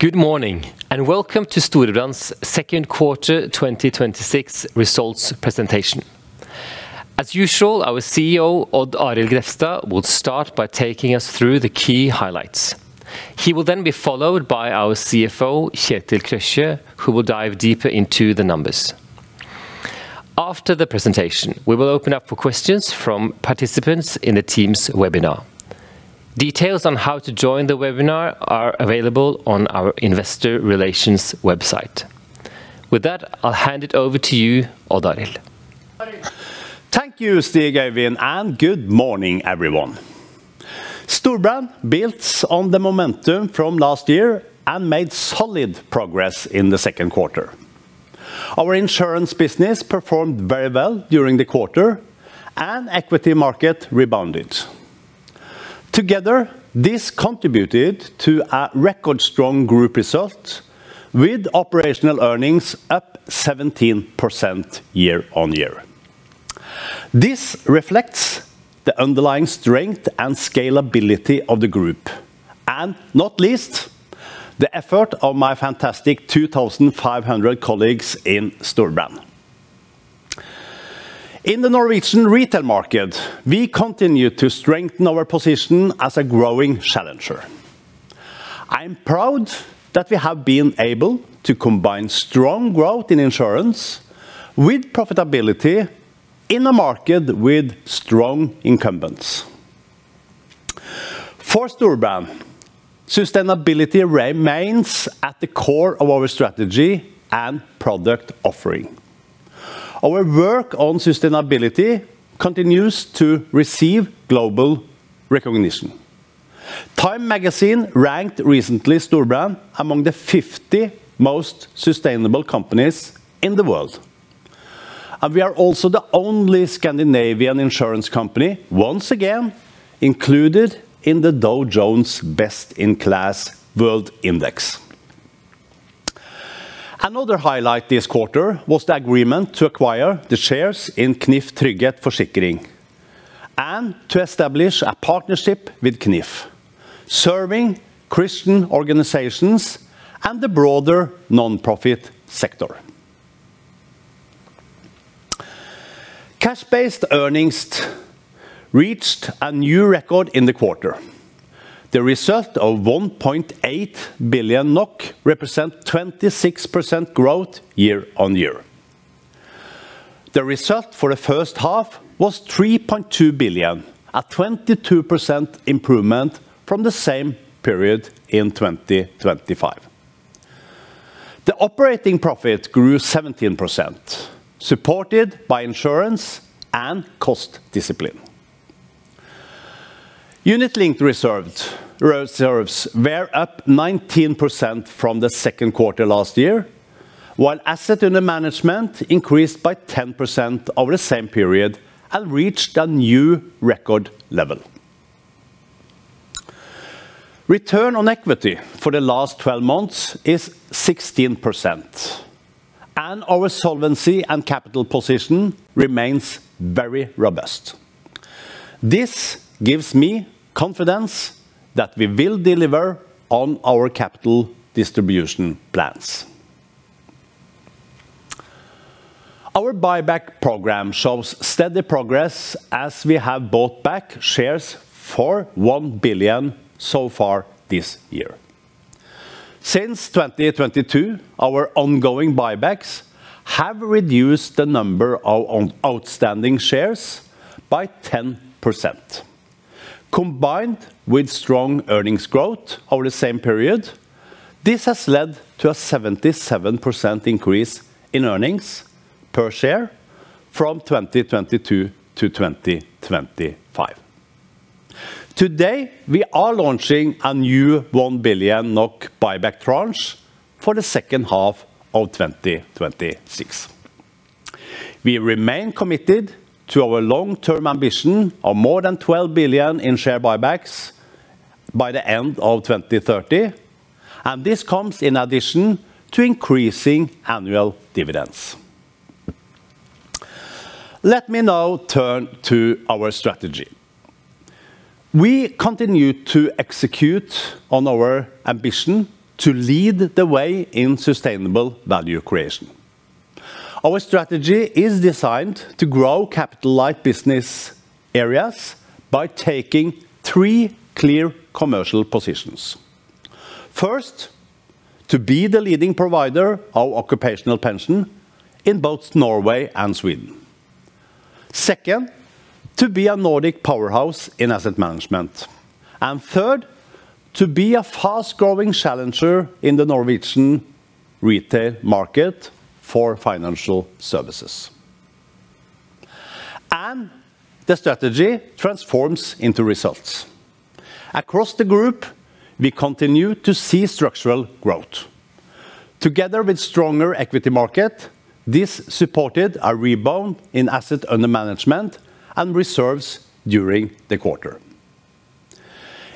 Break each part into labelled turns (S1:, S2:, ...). S1: Good morning, welcome to Storebrand's second quarter 2026 results presentation. As usual, our CEO, Odd Arild Grefstad, will start by taking us through the key highlights. He will then be followed by our CFO, Kjetil Krøkje, who will dive deeper into the numbers. After the presentation, we will open up for questions from participants in the Teams webinar. Details on how to join the webinar are available on our investor relations website. With that, I will hand it over to you, Odd Arild.
S2: Thank you, Stig-Øyvind, good morning, everyone. Storebrand builds on the momentum from last year and made solid progress in the second quarter. Our insurance business performed very well during the quarter and equity market rebounded. Together, this contributed to a record-strong group result with operational earnings up 17% year-on-year. This reflects the underlying strength and scalability of the group, and not least, the effort of my fantastic 2,500 colleagues in Storebrand. In the Norwegian retail market, we continue to strengthen our position as a growing challenger. I am proud that we have been able to combine strong growth in insurance with profitability in a market with strong incumbents. For Storebrand, sustainability remains at the core of our strategy and product offering. Our work on sustainability continues to receive global recognition. Time Magazine ranked recently Storebrand among the 50 most sustainable companies in the world. We are also the only Scandinavian insurance company, once again, included in the Dow Jones Best-in-Class World Index. Another highlight this quarter was the agreement to acquire the shares in Knif Trygghet Forsikring and to establish a partnership with Knif, serving Christian organizations and the broader non-profit sector. Cash-based earnings reached a new record in the quarter. The result of 1.8 billion NOK represent 26% growth year-on-year. The result for the first half was 3.2 billion, a 22% improvement from the same period in 2025. The operating profit grew 17%, supported by insurance and cost discipline. Unit-linked reserves were up 19% from the second quarter last year, while asset under management increased by 10% over the same period and reached a new record level. Return on equity for the last 12 months is 16%, and our solvency and capital position remains very robust. This gives me confidence that we will deliver on our capital distribution plans. Our buyback program shows steady progress as we have bought back shares for 1 billion so far this year. Since 2022, our ongoing buybacks have reduced the number of outstanding shares by 10%. Combined with strong earnings growth over the same period, this has led to a 77% increase in earnings per share from 2022 to 2025. Today, we are launching a new 1 billion NOK buyback tranche for the second half of 2026. We remain committed to our long-term ambition of more than 12 billion in share buybacks by the end of 2030, and this comes in addition to increasing annual dividends. Let me now turn to our strategy. We continue to execute on our ambition to lead the way in sustainable value creation. Our strategy is designed to grow capital-light business areas by taking three clear commercial positions. First, to be the leading provider of occupational pension in both Norway and Sweden. Second, to be a Nordic powerhouse in asset management. Third, to be a fast-growing challenger in the Norwegian retail market for financial services. The strategy transforms into results. Across the group, we continue to see structural growth. Together with stronger equity market, this supported a rebound in asset under management and reserves during the quarter.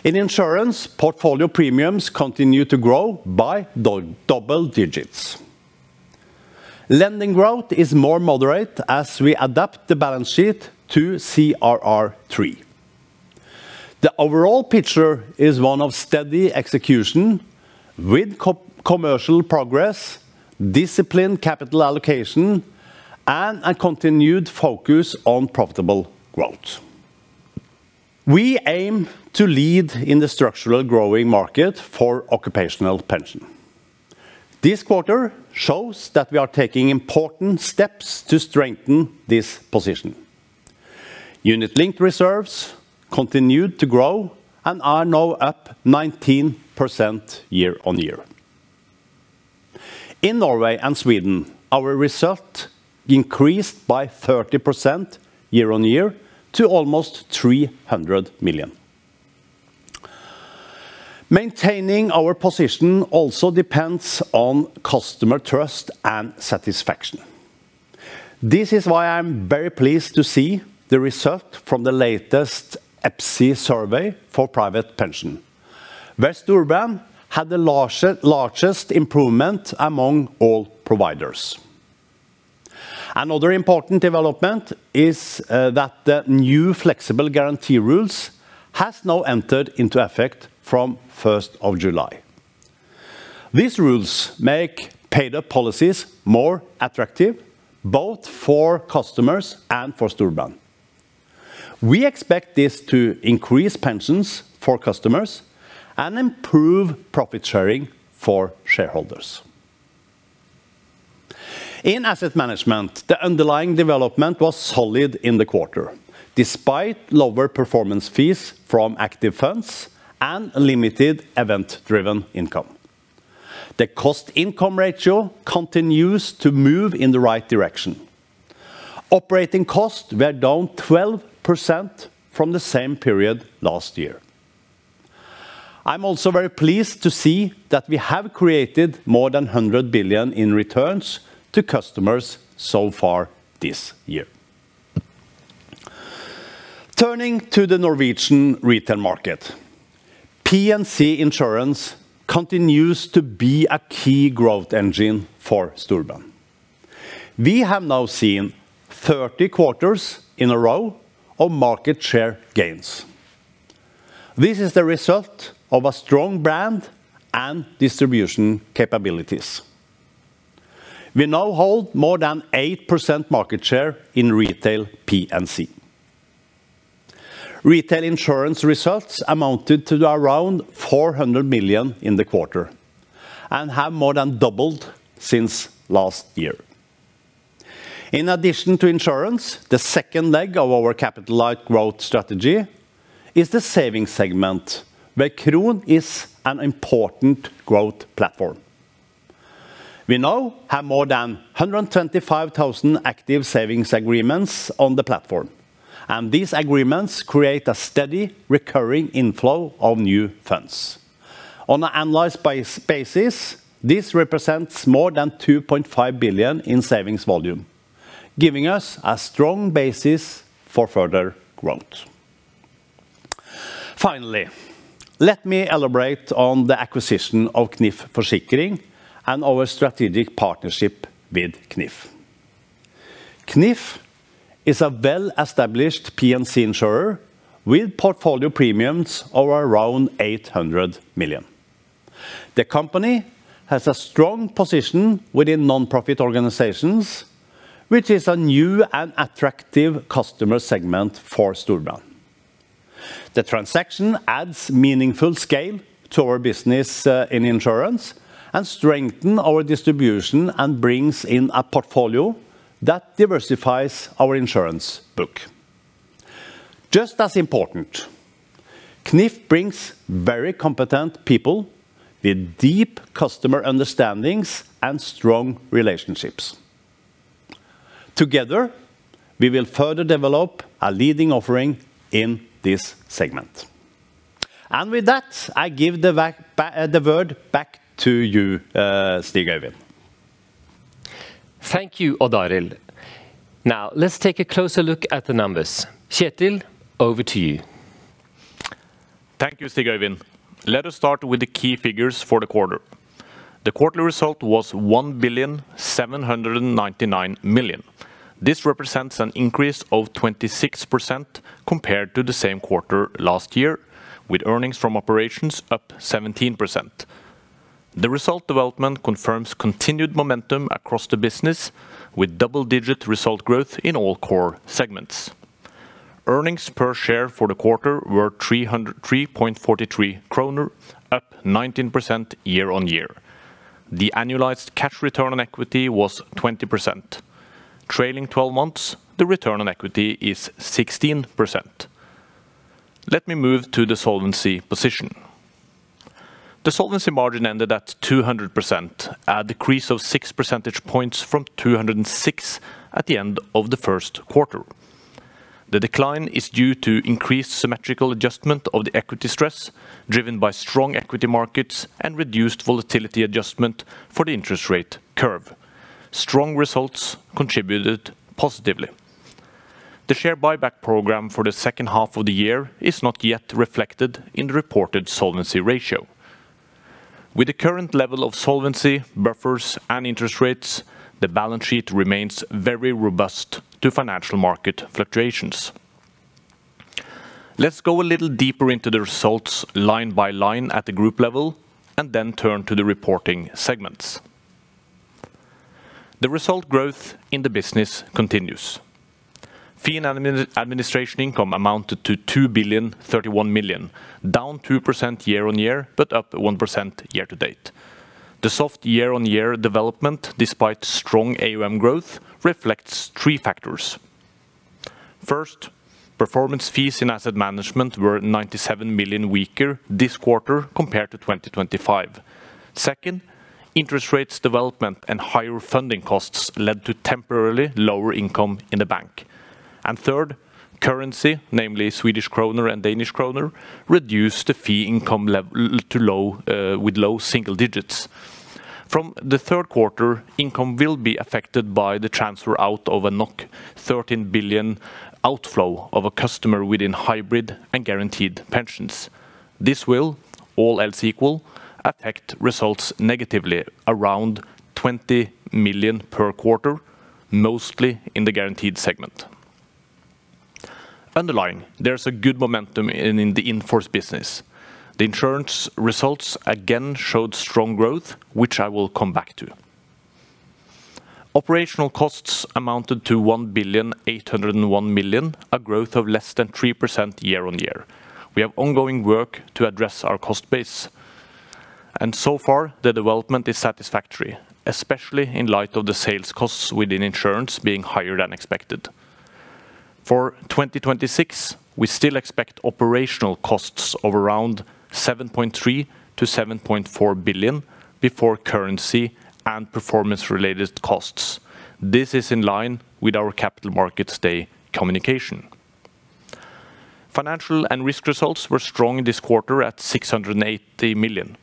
S2: In insurance, portfolio premiums continue to grow by double digits. Lending growth is more moderate as we adapt the balance sheet to CRR3. The overall picture is one of steady execution with commercial progress, disciplined capital allocation, and a continued focus on profitable growth. We aim to lead in the structural growing market for occupational pension. This quarter shows that we are taking important steps to strengthen this position. Unit-linked reserves continued to grow and are now up 19% year-on-year. In Norway and Sweden, our result increased by 30% year-on-year to almost NOK 300 million. Maintaining our position also depends on customer trust and satisfaction. This is why I'm very pleased to see the result from the latest EPSI survey for private pension. Storebrand had the largest improvement among all providers. Another important development is that the new flexible guarantee rules have now entered into effect from 1st of July. These rules make paid-up policies more attractive, both for customers and for Storebrand. We expect this to increase pensions for customers and improve profit-sharing for shareholders. In asset management, the underlying development was solid in the quarter, despite lower performance fees from active funds and limited event-driven income. The cost-income ratio continues to move in the right direction. Operating costs were down 12% from the same period last year. I'm also very pleased to see that we have created more than 100 billion in returns to customers so far this year. Turning to the Norwegian retail market, P&C insurance continues to be a key growth engine for Storebrand. We have now seen 30 quarters in a row of market share gains. This is the result of a strong brand and distribution capabilities. We now hold more than 8% market share in retail P&C. Retail insurance results amounted to around 400 million in the quarter and have more than doubled since last year. In addition to insurance, the second leg of our capital-light growth strategy is the savings segment, where Kron is an important growth platform. We now have more than 125,000 active savings agreements on the platform. These agreements create a steady recurring inflow of new funds. On an annualized basis, this represents more than 2.5 billion in savings volume, giving us a strong basis for further growth. Let me elaborate on the acquisition of Knif Forsikring and our strategic partnership with Knif. Knif is a well-established P&C insurer with portfolio premiums of around 800 million. The company has a strong position within non-profit organizations, which is a new and attractive customer segment for Storebrand. The transaction adds meaningful scale to our business in insurance and strengthen our distribution and brings in a portfolio that diversifies our insurance book. Just as important, Knif brings very competent people with deep customer understandings and strong relationships. Together, we will further develop a leading offering in this segment. With that, I give the word back to you, Stig-Øyvind.
S1: Thank you, Odd Arild. Let's take a closer look at the numbers. Kjetil, over to you.
S3: Thank you, Stig-Øyvind. Let us start with the key figures for the quarter. The quarterly result was 1,799,000,000. This represents an increase of 26% compared to the same quarter last year, with earnings from operations up 17%. The result development confirms continued momentum across the business, with double-digit result growth in all core segments. Earnings per share for the quarter were 3.43 kroner, up 19% year-on-year. The annualized cash return on equity was 20%. Trailing 12-months, the return on equity is 16%. Let me move to the solvency position. The solvency margin ended at 200%, a decrease of 6 percentage points from 206% at the end of the first quarter. The decline is due to increased symmetrical adjustment of the equity stress, driven by strong equity markets and reduced volatility adjustment for the interest rate curve. Strong results contributed positively. The share buyback program for the second half of the year is not yet reflected in the reported solvency ratio. With the current level of solvency, buffers, and interest rates, the balance sheet remains very robust to financial market fluctuations. Let's go a little deeper into the results line by line at the group level, then turn to the reporting segments. The result growth in the business continues. Fee and administration income amounted to 2,031,000,000, down 2% year-on-year, but up 1% year-to-date. The soft year-on-year development, despite strong AUM growth, reflects three factors. First, performance fees in asset management were 97 million weaker this quarter compared to 2025. Second, interest rates development and higher funding costs led to temporarily lower income in the bank. Third, currency, namely Swedish kroner and Danish kroner, reduced the fee income with low single digits. From the third quarter, income will be affected by the transfer out of a 13 billion outflow of a customer within hybrid and guaranteed pensions. This will, all else equal, affect results negatively around 20 million per quarter, mostly in the guaranteed segment. Underlying, there is a good momentum in the in-force business. The insurance results again showed strong growth, which I will come back to. Operational costs amounted to 1,801,000,000 a growth of less than 3% year-on-year. We have ongoing work to address our cost base. So far the development is satisfactory, especially in light of the sales costs within insurance being higher than expected. For 2026, we still expect operational costs of around 7.3 billion-7.4 billion before currency and performance-related costs. This is in line with our Capital Markets Day communication. Financial and risk results were strong this quarter at 680 million.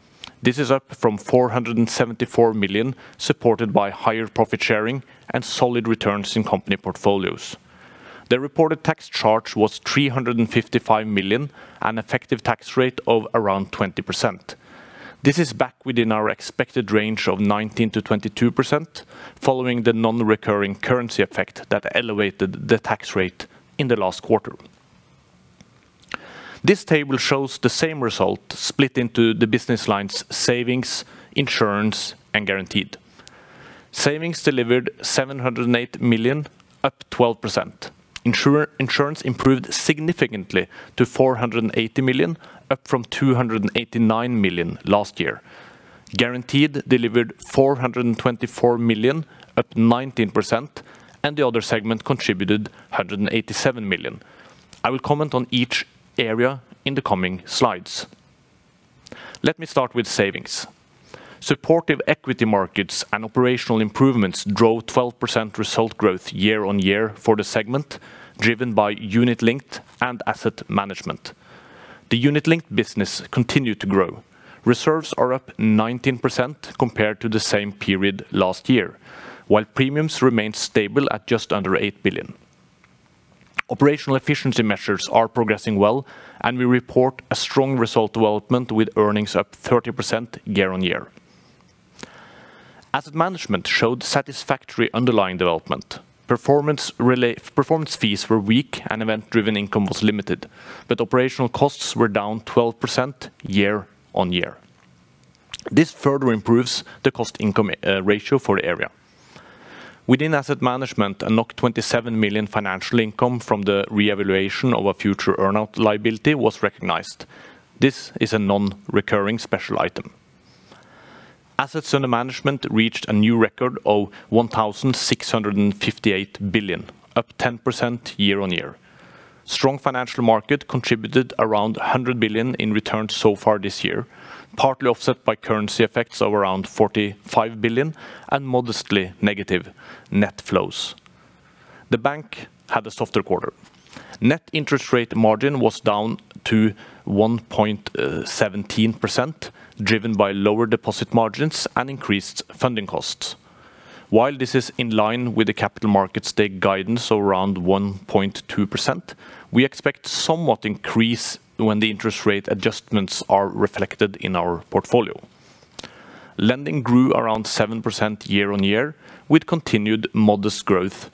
S3: This is up from 474 million, supported by higher profit sharing and solid returns in company portfolios. The reported tax charge was 355 million, an effective tax rate of around 20%. This is back within our expected range of 19%-22%, following the non-recurring currency effect that elevated the tax rate in the last quarter. This table shows the same result split into the business lines savings, insurance, and guaranteed. Savings delivered 708 million, up 12%. Insurance improved significantly to 480 million, up from 289 million last year. Guaranteed delivered 424 million, up 19%, and the other segment contributed 187 million. I will comment on each area in the coming slides. Let me start with savings. Supportive equity markets and operational improvements drove 12% result growth year-on-year for the segment, driven by unit linked and asset management. The unit linked business continued to grow. Reserves are up 19% compared to the same period last year, while premiums remained stable at just under 8 billion. Operational efficiency measures are progressing well. We report a strong result development with earnings up 30% year-on-year. Asset management showed satisfactory underlying development. Performance fees were weak and event-driven income was limited. Operational costs were down 12% year-on-year. This further improves the cost-income ratio for the area. Within asset management, a 27 million financial income from the reevaluation of a future earnout liability was recognized. This is a non-recurring special item. Assets under management reached a new record of 1,658 billion, up 10% year-on-year. Strong financial market contributed around 100 billion in returns so far this year, partly offset by currency effects of around 45 billion and modestly negative net flows. The bank had a softer quarter. Net interest rate margin was down to 1.17%, driven by lower deposit margins and increased funding costs. While this is in line with the Capital Markets Day guidance of around 1.2%, we expect somewhat increase when the interest rate adjustments are reflected in our portfolio. Lending grew around 7% year-on-year, with continued modest growth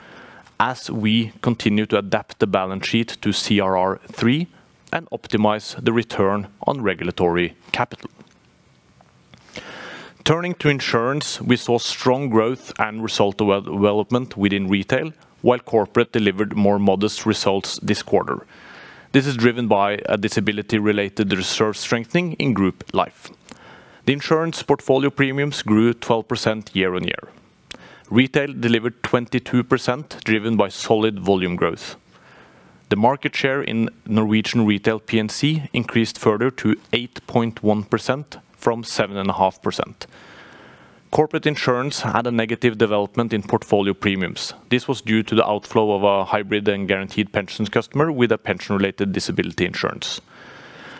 S3: as we continue to adapt the balance sheet to CRR3 and optimize the return on regulatory capital. Turning to insurance, we saw strong growth and result development within retail, while corporate delivered more modest results this quarter. This is driven by a disability related reserve strengthening in group life. The insurance portfolio premiums grew 12% year-on-year. Retail delivered 22%, driven by solid volume growth. The market share in Norwegian retail P&C increased further to 8.1% from 7.5%. Corporate insurance had a negative development in portfolio premiums. This was due to the outflow of a hybrid and guaranteed pensions customer with a pension-related disability insurance.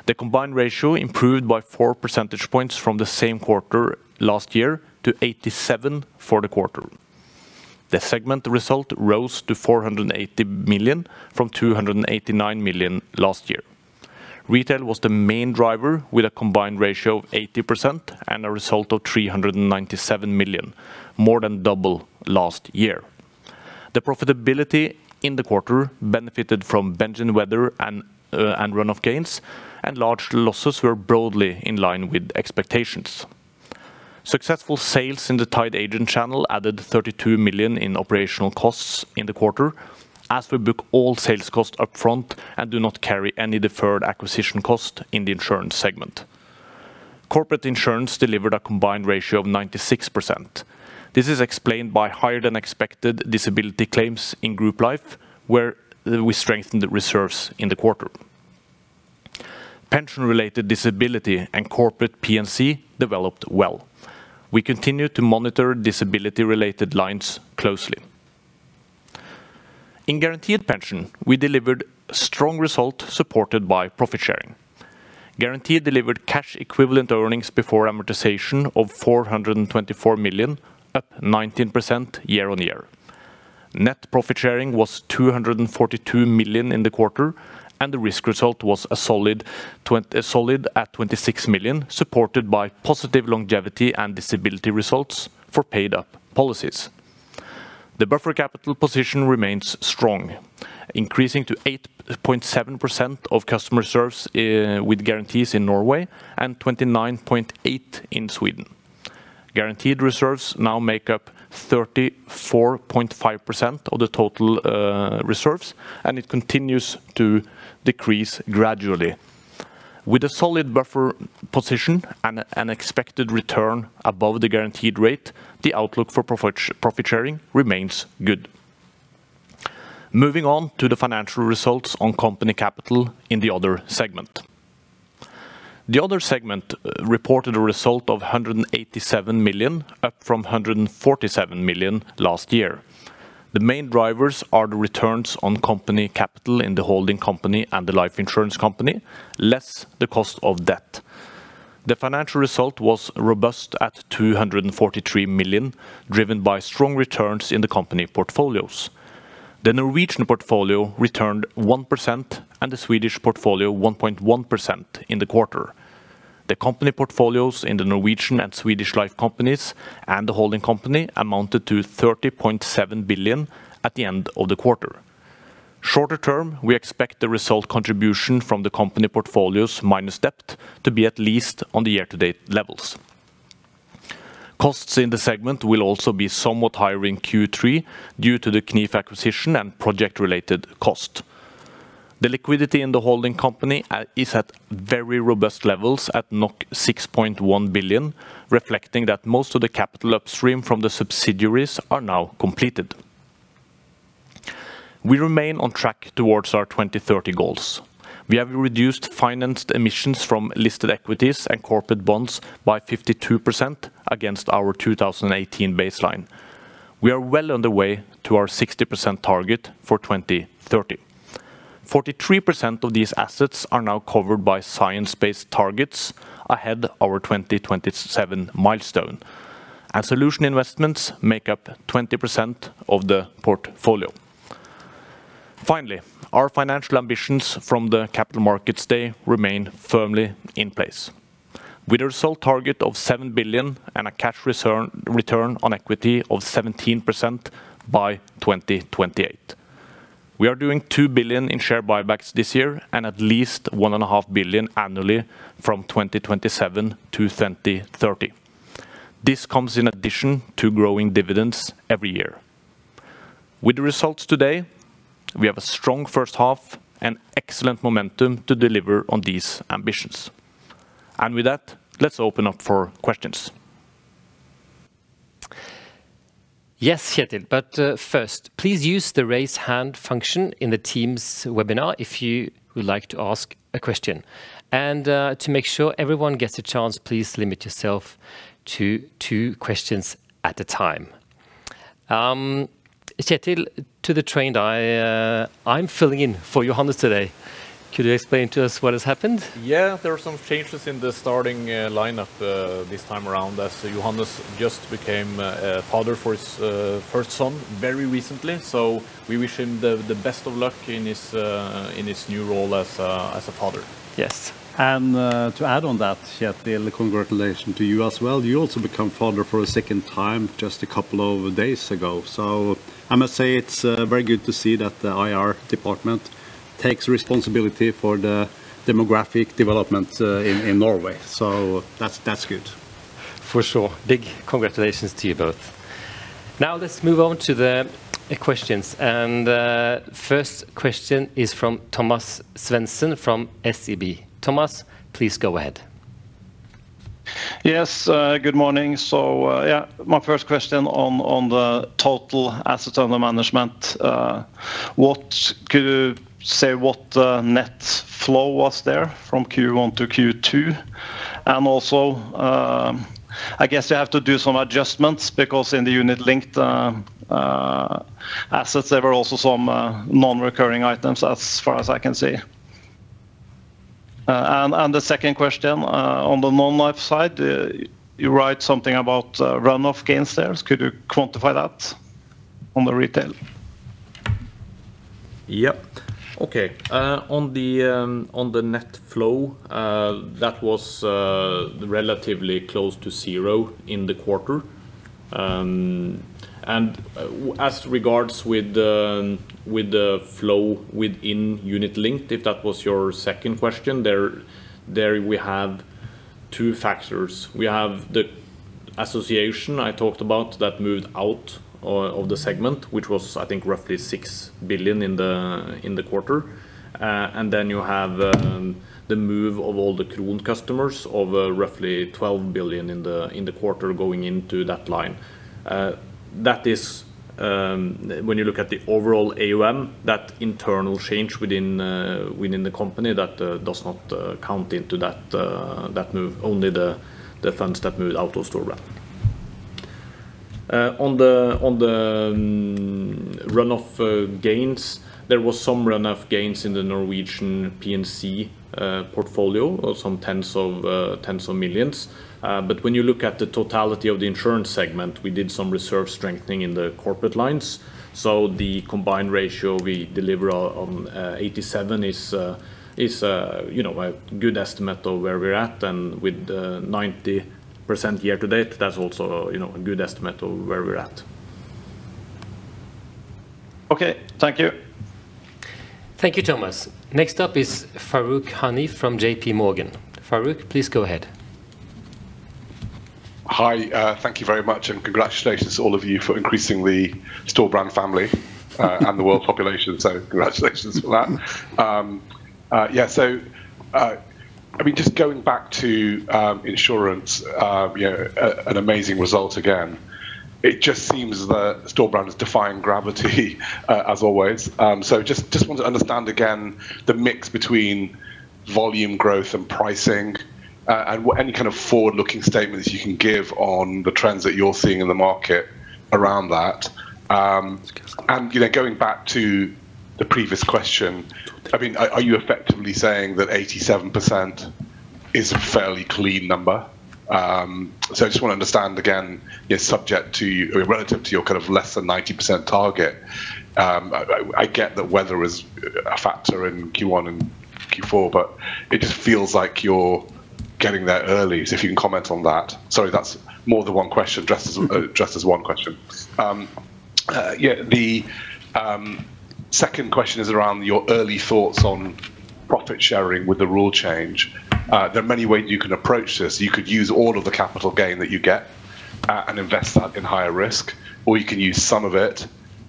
S3: The combined ratio improved by four percentage points from the same quarter last year to 87% for the quarter. The segment result rose to 480 million from 289 million last year. Retail was the main driver, with a combined ratio of 80% and a result of 397 million, more than double last year. The profitability in the quarter benefited from benign weather and run-off gains, and large losses were broadly in line with expectations. Successful sales in the tied agent channel added 32 million in operational costs in the quarter, as we book all sales costs upfront and do not carry any deferred acquisition cost in the insurance segment. Corporate insurance delivered a combined ratio of 96%. This is explained by higher-than-expected disability claims in group life, where we strengthened the reserves in the quarter. Pension-related disability and corporate P&C developed well. We continue to monitor disability-related lines closely. In guaranteed pension, we delivered strong result supported by profit sharing. Guaranteed delivered cash equivalent earnings before amortization of 424 million, up 19% year-over-year. Net profit sharing was 242 million in the quarter, and the risk result was a solid at 26 million, supported by positive longevity and disability results for paid-up policies. The buffer capital position remains strong, increasing to 8.7% of customer reserves with guarantees in Norway and 29.8% in Sweden. Guaranteed reserves now make up 34.5% of the total reserves, and it continues to decrease gradually. With a solid buffer position and an expected return above the guaranteed rate, the outlook for profit sharing remains good. Moving on to the financial results on company capital in the other segment. The other segment reported a result of 187 million, up from 147 million last year. The main drivers are the returns on company capital in the holding company and the life insurance company, less the cost of debt. The financial result was robust at 243 million, driven by strong returns in the company portfolios. The Norwegian portfolio returned 1%, and the Swedish portfolio 1.1% in the quarter. The company portfolios in the Norwegian and Swedish life companies and the holding company amounted to 30.7 billion at the end of the quarter. Shorter term, we expect the result contribution from the company portfolios minus debt to be at least on the year-to-date levels. Costs in the segment will also be somewhat higher in Q3 due to the Knif acquisition and project-related cost. The liquidity in the holding company is at very robust levels at 6.1 billion, reflecting that most of the capital upstream from the subsidiaries are now completed. We remain on track towards our 2030 goals. We have reduced financed emissions from listed equities and corporate bonds by 52% against our 2018 baseline. We are well on the way to our 60% target for 2030. 43% of these assets are now covered by science-based targets ahead our 2027 milestone. Solution investments make up 20% of the portfolio. Finally, our financial ambitions from the Capital Markets Day remain firmly in place. With a result target of 7 billion and a cash return on equity of 17% by 2028. We are doing 2 billion in share buybacks this year and at least 1.5 billion annually from 2027-2030. This comes in addition to growing dividends every year. With the results today, we have a strong first half and excellent momentum to deliver on these ambitions. With that, let's open up for questions.
S1: Yes, Kjetil, first, please use the raise hand function in the Teams webinar if you would like to ask a question. To make sure everyone gets a chance, please limit yourself to two questions at a time. Kjetil, to the trained eye, I'm filling in for Johannes today. Could you explain to us what has happened?
S3: There are some changes in the starting lineup this time around as Johannes just became a father for his first son very recently. We wish him the best of luck in his new role as a father.
S1: Yes.
S2: To add on that, Kjetil, congratulations to you as well. You also become father for a second time just a couple of days ago. I must say it's very good to see that the IR department takes responsibility for the demographic development in Norway. That's good.
S1: For sure. Big congratulations to you both. Let's move on to the questions. First question is from Thomas Svendsen from SEB. Thomas, please go ahead.
S4: Yes, good morning. My first question on the total assets under management. Could you say what net flow was there from Q1 to Q2? Also, I guess you have to do some adjustments because in the unit-linked assets, there were also some non-recurring items as far as I can see. The second question on the non-life side, you write something about runoff gains there. Could you quantify that on the retail?
S3: Yep. Okay. On the net flow, that was relatively close to zero in the quarter. As regards with the flow within unit linked, if that was your second question, there we have two factors. We have the association I talked about that moved out of the segment, which was, I think, roughly 6 billion in the quarter. Then you have the move of all the Kron customers of roughly 12 billion in the quarter going into that line. When you look at the overall AUM, that internal change within the company, that does not count into that move, only the funds that moved out of Storebrand. On the runoff gains, there was some runoff gains in the Norwegian P&C portfolio of some tens of millions. When you look at the totality of the insurance segment, we did some reserve strengthening in the corporate lines. The combined ratio we deliver on 87% is a good estimate of where we're at, and with the 90% year to date, that's also a good estimate of where we're at.
S4: Okay. Thank you.
S1: Thank you, Thomas. Next up is Farooq Hanif from JPMorgan. Farooq, please go ahead.
S5: Hi, thank you very much. Congratulations to all of you for increasing the Storebrand family and the world population. Congratulations for that. Just going back to insurance, an amazing result again. It just seems that Storebrand is defying gravity as always. Just want to understand again the mix between volume growth and pricing, any kind of forward-looking statements you can give on the trends that you're seeing in the market around that. Going back to the previous question, are you effectively saying that 87% is a fairly clean number? I just want to understand, again, relative to your less than 90% target. I get that weather was a factor in Q1 and Q4, it just feels like you're getting there early. If you can comment on that. Sorry, that's more than one question dressed as one question. The second question is around your early thoughts on profit sharing with the rule change. There are many ways you can approach this. You could use all of the capital gain that you get, invest that in higher risk, or you can use some of it.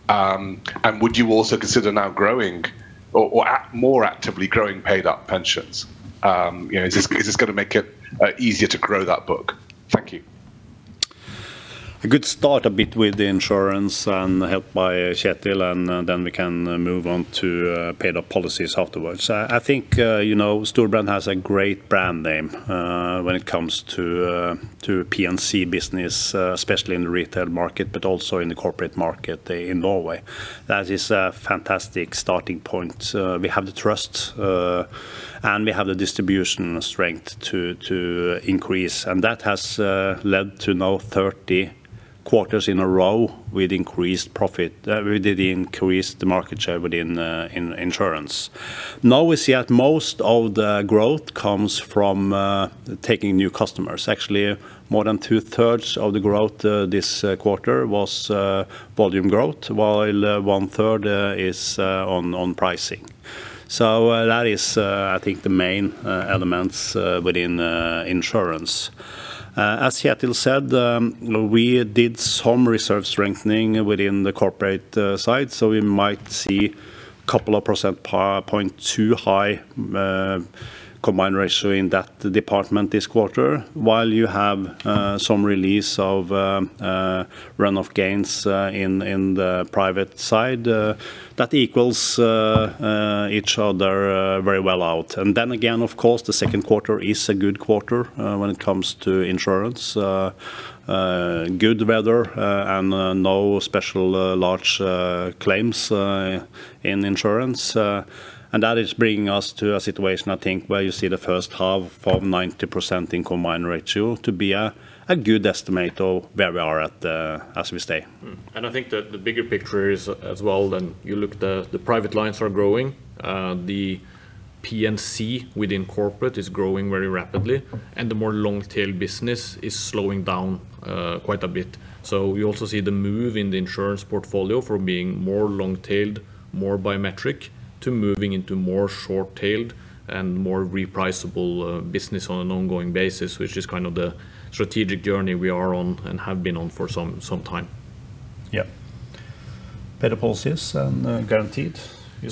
S5: Would you also consider now growing or more actively growing paid-up pensions? Is this going to make it easier to grow that book? Thank you.
S2: A good start a bit with the insurance and helped by Kjetil. Then we can move on to paid-up policies afterwards. I think Storebrand has a great brand name when it comes to P&C business, especially in the retail market, but also in the corporate market in Norway. That is a fantastic starting point. We have the trust, and we have the distribution strength to increase, and that has led to now 30 quarters in a row with increased profit. We did increase the market share within insurance. We see that most of the growth comes from taking new customers. Actually, more than 2/3 of the growth this quarter was volume growth, while 1/3 is on pricing. That is, I think, the main elements within insurance. As Kjetil said, we did some reserve strengthening within the corporate side. We might see a couple of percentage points too high combined ratio in that department this quarter, while you have some release of runoff gains in the private side. That equals each other very well out. Again, of course, the second quarter is a good quarter when it comes to insurance. Good weather and no special large claims in insurance. That is bringing us to a situation, I think, where you see the first half of 90% in combined ratio to be a good estimate of where we are at as we stay.
S3: I think that the bigger picture is as well, you look the private lines are growing. The P&C within corporate is growing very rapidly, and the more long-tail business is slowing down quite a bit. We also see the move in the insurance portfolio from being more long-tailed, more biometric, to moving into more short-tailed and more repriceable business on an ongoing basis, which is kind of the strategic journey we are on and have been on for some time.
S2: Yep. Paid-up policies and guaranteed.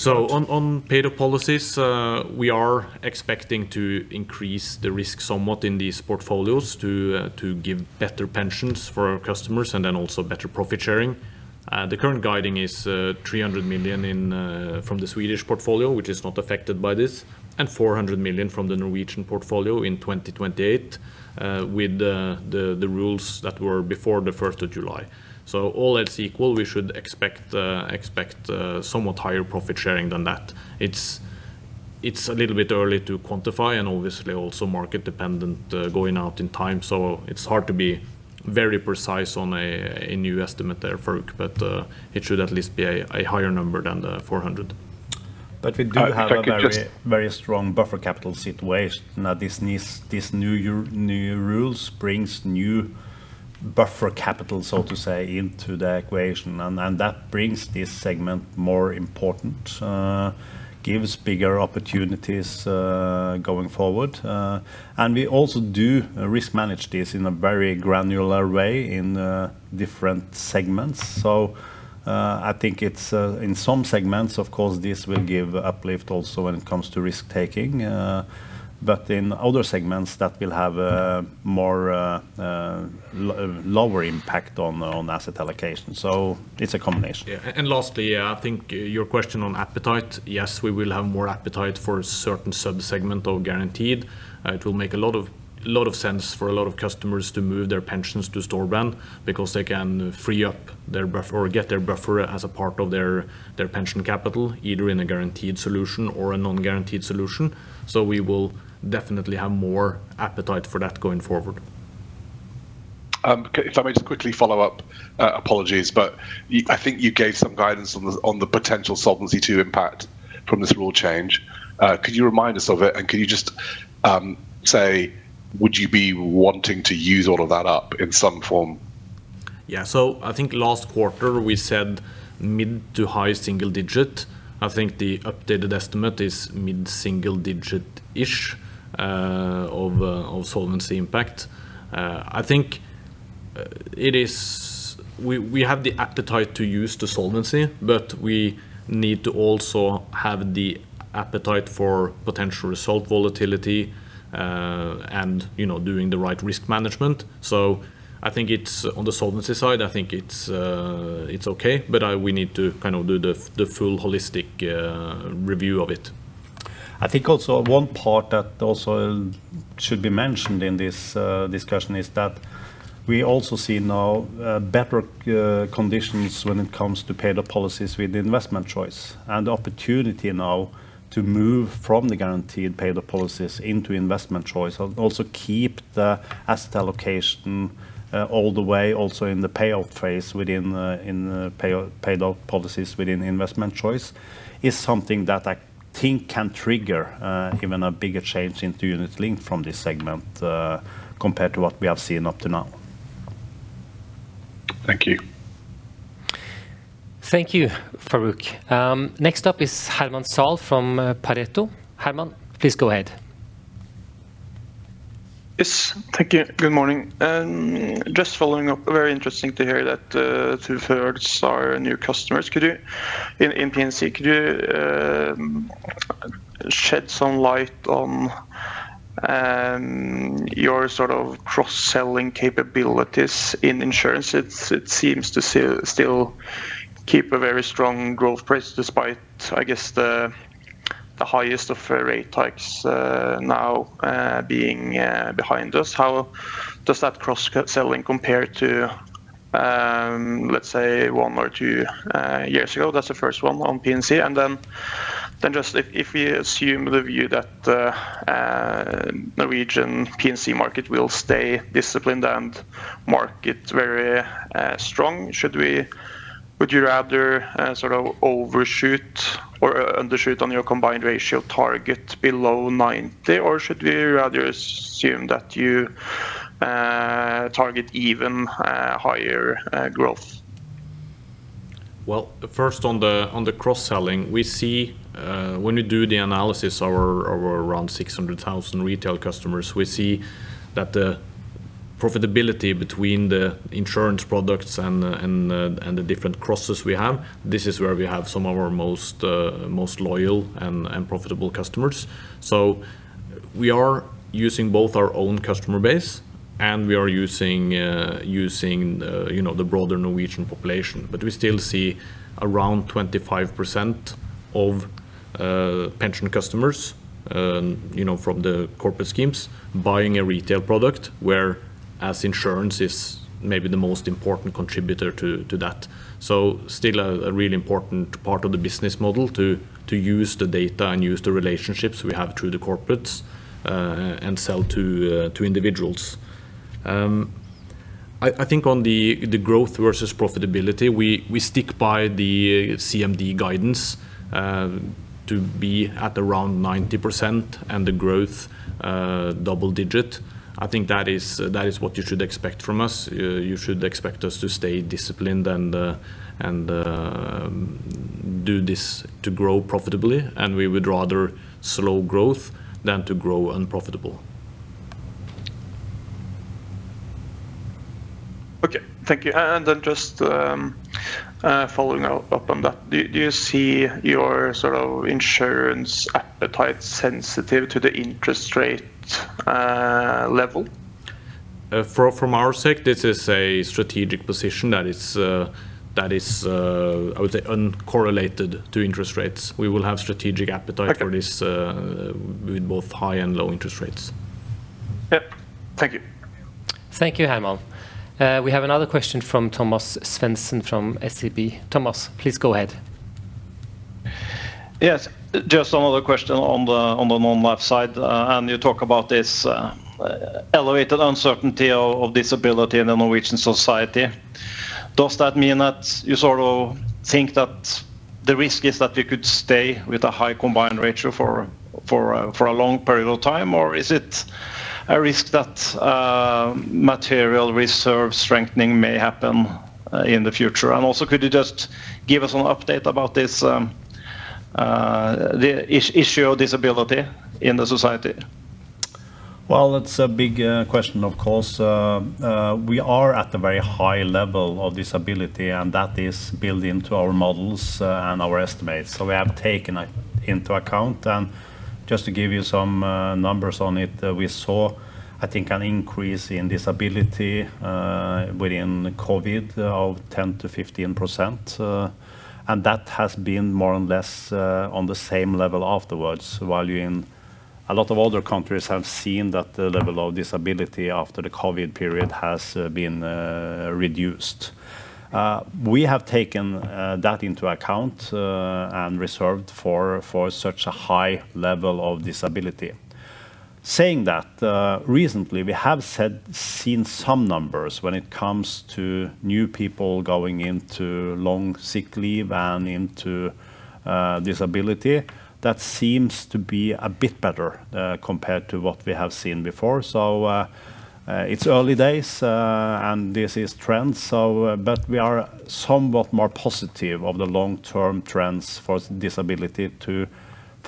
S3: On paid-up policies, we are expecting to increase the risk somewhat in these portfolios to give better pensions for our customers and then also better profit sharing. The current guiding is 300 million from the Swedish portfolio, which is not affected by this, and 400 million from the Norwegian portfolio in 2028, with the rules that were before the 1st of July. All else equal, we should expect somewhat higher profit sharing than that. It's a little bit early to quantify, and obviously also market dependent going out in time. It's hard to be very precise on a new estimate there, Farooq. But it should at least be a higher number than the 400 million.
S2: We do have a very strong buffer capital situation. Now these new rules bring new buffer capital, so to say, into the equation, and that brings this segment more important, gives bigger opportunities going forward. We also do risk manage this in a very granular way in different segments. I think in some segments, of course, this will give uplift also when it comes to risk-taking. In other segments that will have a lower impact on asset allocation. It's a combination.
S3: Lastly, I think your question on appetite. Yes, we will have more appetite for a certain sub-segment of Guaranteed. It will make a lot of sense for a lot of customers to move their pensions to Storebrand because they can free up their buffer, or get their buffer as a part of their pension capital, either in a guaranteed solution or a non-guaranteed solution. We will definitely have more appetite for that going forward.
S5: If I may just quickly follow up. Apologies, I think you gave some guidance on the potential Solvency II impact from this rule change. Could you remind us of it, and could you just say would you be wanting to use all of that up in some form?
S3: I think last quarter we said mid to high single-digit. I think the updated estimate is mid single-digit-ish of Solvency impact. I think we have the appetite to use the Solvency, but we need to also have the appetite for potential result volatility, and doing the right risk management. I think on the Solvency side, I think it's okay, but we need to do the full holistic review of it.
S2: I think also one part that also should be mentioned in this discussion is that we also see now better conditions when it comes to pay the policies with the investment choice, and the opportunity now to move from the guaranteed pay the policies into investment choice. Also keep the asset allocation all the way also in the payoff phase within the payout policies within investment choice is something that I think can trigger even a bigger change into unit link from this segment compared to what we have seen up to now.
S5: Thank you.
S1: Thank you, Farooq. Next up is Herman Zahl from Pareto. Herman, please go ahead.
S6: Yes. Thank you. Good morning. Just following up, very interesting to hear that two-thirds are new customers. In P&C, could you shed some light on your sort of cross-selling capabilities in insurance? It seems to still keep a very strong growth pace despite, I guess the highest of rate hikes now being behind us. How does that cross selling compare to, let's say, one or two years ago? That's the first one on P&C. Just if we assume the view that the Norwegian P&C market will stay disciplined and market very strong, would you rather sort of overshoot or undershoot on your combined ratio target below 90%? Should we rather assume that you target even higher growth?
S3: Well, first on the cross-selling. When we do the analysis of our around 600,000 retail customers, we see that the profitability between the insurance products and the different crosses we have, this is where we have some of our most loyal and profitable customers. We are using both our own customer base and we are using the broader Norwegian population. We still see around 25% of pension customers from the corporate schemes buying a retail product, whereas insurance is maybe the most important contributor to that. Still a really important part of the business model to use the data and use the relationships we have through the corporates, and sell to individuals. I think on the growth versus profitability, we stick by the CMD guidance to be at around 90% and the growth double digit. I think that is what you should expect from us. You should expect us to stay disciplined and do this to grow profitably, and we would rather slow growth than to grow unprofitable.
S6: Okay. Thank you. Just following up on that. Do you see your insurance appetite sensitive to the interest rate level?
S3: From our side, this is a strategic position that is, I would say, uncorrelated to interest rates. We will have strategic appetite for this with both high and low interest rates.
S6: Yep. Thank you.
S1: Thank you, Herman. We have another question from Thomas Svendsen from SEB. Thomas, please go ahead.
S4: Yes. Just another question on the non-life side, and you talk about this elevated uncertainty of disability in the Norwegian society. Does that mean that you think that the risk is that we could stay with a high combined ratio for a long period of time? Or is it a risk that material reserve strengthening may happen in the future? Also, could you just give us an update about the issue of disability in the society?
S2: Well, it's a big question, of course. We are at a very high level of disability, and that is built into our models and our estimates. We have taken it into account. Just to give you some numbers on it, we saw, I think, an increase in disability within COVID of 10%-15%. That has been more or less on the same level afterwards, while a lot of other countries have seen that the level of disability after the COVID period has been reduced. We have taken that into account, and reserved for such a high level of disability. Saying that, recently, we have seen some numbers when it comes to new people going into long sick leave and into disability that seems to be a bit better compared to what we have seen before. It's early days, and this is trends, but we are somewhat more positive of the long-term trends for disability to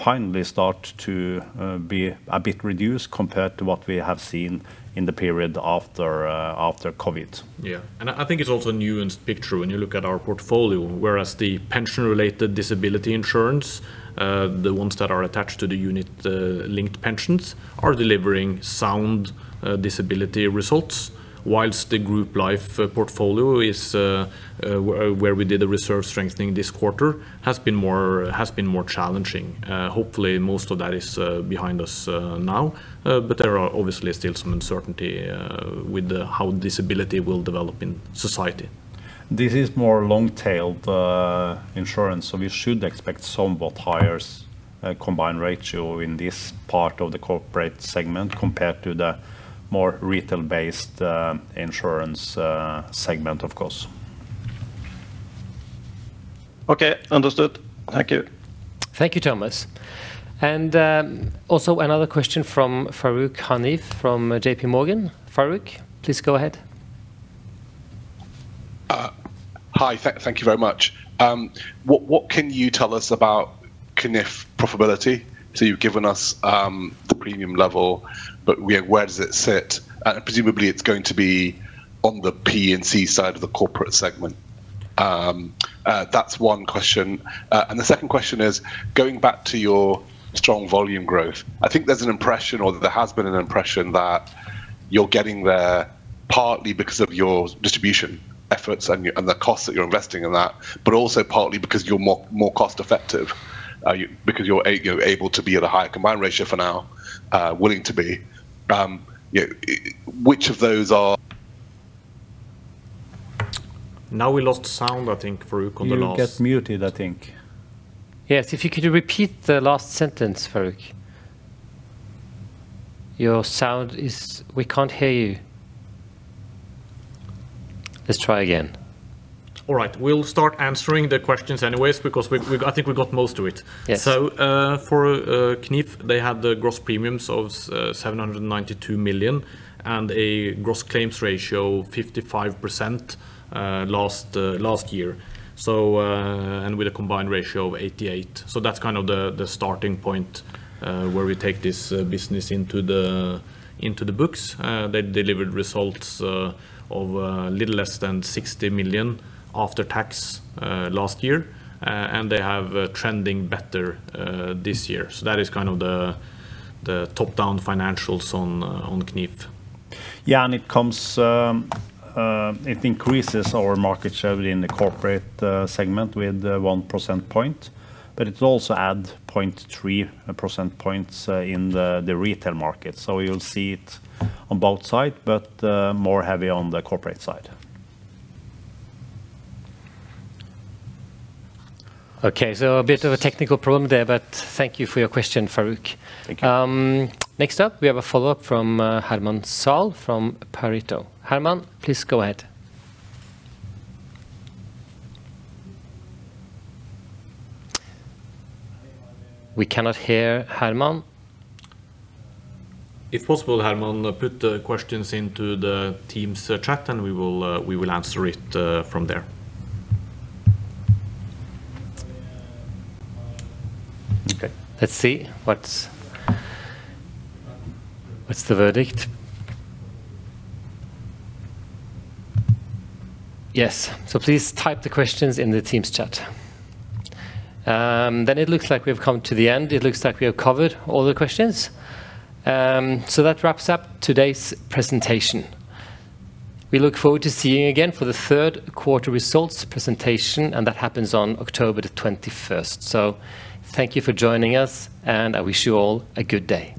S2: finally start to be a bit reduced compared to what we have seen in the period after COVID.
S3: Yeah. I think it's also new and big picture when you look at our portfolio, whereas the pension-related disability insurance, the ones that are attached to the unit-linked pensions, are delivering sound disability results, whilst the group life portfolio, where we did the reserve strengthening this quarter, has been more challenging. Hopefully, most of that is behind us now, but there are obviously still some uncertainty with how disability will develop in society.
S2: This is more long-tailed insurance, so we should expect somewhat higher combined ratio in this part of the corporate segment compared to the more retail-based insurance segment, of course.
S4: Okay. Understood. Thank you.
S1: Thank you, Thomas. Also another question from Farooq Hanif from JPMorgan. Farooq, please go ahead.
S5: Hi. Thank you very much. What can you tell us about Knif profitability? You've given us the premium level, but where does it sit? Presumably, it is going to be on the P&C side of the corporate segment. That's one question. The second question is, going back to your strong volume growth, I think there's an impression, or there has been an impression that you're getting there partly because of your distribution efforts and the cost that you're investing in that, but also partly because you're more cost-effective, because you're able to be at a higher combined ratio for now, willing to be which of those are [inaudible]
S3: We lost sound, I think, Farooq, on the last.
S2: You get muted, I think.
S1: Yes. If you could repeat the last sentence, Farooq. We can't hear you. Let's try again.
S3: All right. We'll start answering the questions anyways, because I think we got most of it.
S1: Yes.
S3: For Knif, they had the gross premiums of 792 million and a gross claims ratio of 55% last year, with a combined ratio of 88%. That's kind of the starting point, where we take this business into the books. They delivered results of a little less than 60 million after tax last year, they have trending better this year. That is kind of the top-down financials on Knif.
S2: It increases our market share in the corporate segment with 1 percentage point, but it also adds 0.3 percentage points in the retail market. You'll see it on both sides, but more heavy on the corporate side.
S1: A bit of a technical problem there, thank you for your question, Farooq.
S5: Thank you.
S1: Next up, we have a follow-up from Herman Zahl from Pareto. Herman, please go ahead. We cannot hear Herman.
S3: If possible, Herman, put the questions into the Teams chat. We will answer it from there.
S1: Okay. Let's see. What's the verdict? Yes. Please type the questions in the Teams chat. It looks like we've come to the end. It looks like we have covered all the questions. That wraps up today's presentation. We look forward to seeing you again for the third quarter results presentation. That happens on October the 21st. Thank you for joining us. I wish you all a good day.